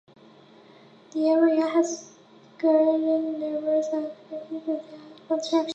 The arena has garnered numerous architectural industry awards since its construction.